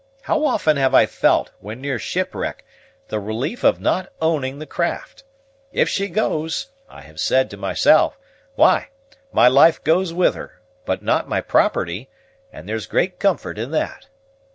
How often have I felt, when near shipwreck, the relief of not owning the craft! 'If she goes,' I have said to myself, 'why, my life goes with her, but not my property, and there's great comfort in that.'